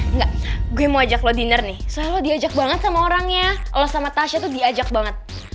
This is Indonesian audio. enggak gue mau ajak lo diner nih soalnya lo diajak banget sama orangnya lo sama tasya tuh diajak banget